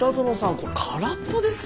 これ空っぽですよ。